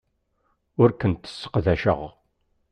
Ur kent-sseqdaceɣ.